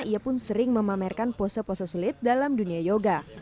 ia pun sering memamerkan pose pose sulit dalam dunia yoga